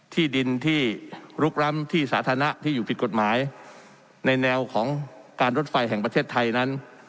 ที่ดินที่ลุกล้ำที่สาธารณะที่อยู่ผิดกฎหมายในแนวของการรถไฟแห่งประเทศไทยนั้น